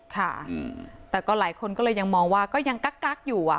ค่ะแต่ก็หลายคนก็เลยยังมองว่าก็ยังกักอยู่